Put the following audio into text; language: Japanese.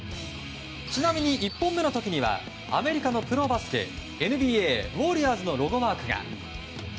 ちなみに１本目の時にはアメリカのプロバスケＮＢＡウォリアーズのロゴマークが。